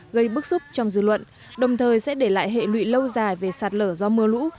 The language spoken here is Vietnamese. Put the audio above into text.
gây bức xúc trong dư luận đồng thời sẽ để lại hệ lụy lâu dài về sạt lở do mưa lũ